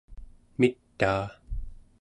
mitaa